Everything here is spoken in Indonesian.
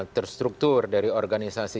terstruktur dari organisasi